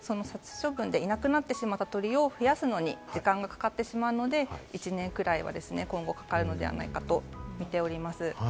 その殺処分でいなくなってしまった鶏を増やすのに時間がかかってしまうので１年くらいは今後かかるのではないかとみております。